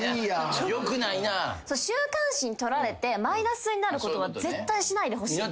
週刊誌に撮られてマイナスになることは絶対しないでほしい。